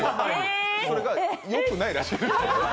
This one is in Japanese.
それがよくないらしいです。